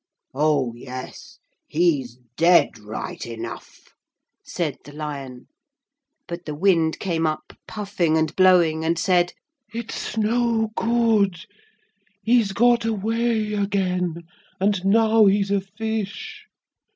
'Oh yes, he's dead right enough,' said the lion; but the wind came up puffing and blowing, and said: 'It's no good, he's got away again, and now he's a fish.